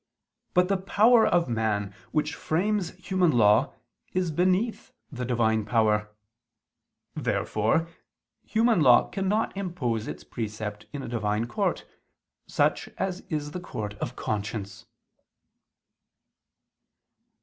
But the power of man, which frames human law, is beneath the Divine power. Therefore human law cannot impose its precept in a Divine court, such as is the court of conscience.